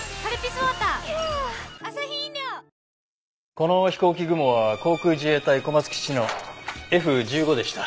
この飛行機雲は航空自衛隊小松基地のＦ−１５でした。